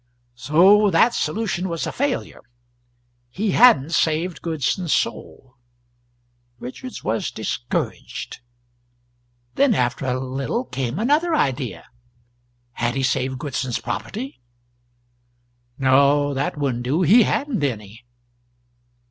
So that solution was a failure he hadn't saved Goodson's soul. Richards was discouraged. Then after a little came another idea: had he saved Goodson's property? No, that wouldn't do he hadn't any.